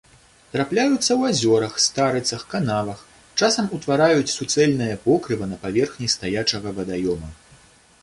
Трапляюцца ў азёрах, старыцах, канавах, часам утвараюць суцэльнае покрыва на паверхні стаячага вадаёма.